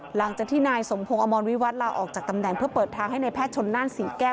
หลังจากที่นายสมพงศ์อมรวิวัตรลาออกจากตำแหน่งเพื่อเปิดทางให้ในแพทย์ชนนั่นศรีแก้ว